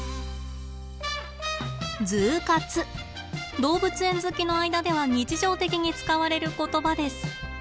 動物園好きの間では日常的に使われる言葉です。